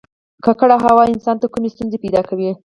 ککړه هوا انسان ته کومې ستونزې پیدا کوي